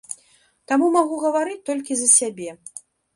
Таму магу гаварыць толькі за сябе.